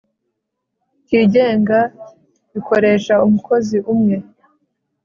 cyigenga bikoresha umukozi umwe